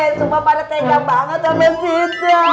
sumpah pada tengah banget sama siti